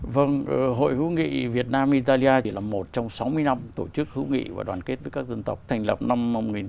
vâng hội hữu nghị việt nam italia thì là một trong sáu mươi năm tổ chức hữu nghị và đoàn kết với các dân tộc thành lập năm một nghìn chín trăm tám mươi